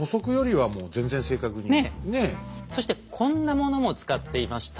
そしてこんなものも使っていました。